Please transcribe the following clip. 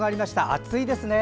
暑いですね。